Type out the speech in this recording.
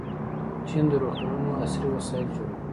چین د روغتونونو عصري وسایل جوړوي.